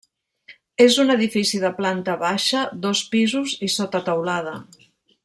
És un edifici de planta baixa, dos pisos i sotateulada.